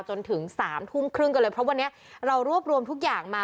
จนถึง๓ทุ่มครึ่งกันเลยเพราะวันนี้เรารวบรวมทุกอย่างมา